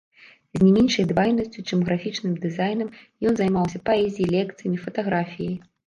З не меншай дбайнасцю, чым графічным дызайнам, ён займаўся паэзіяй, лекцыямі, фатаграфіяй.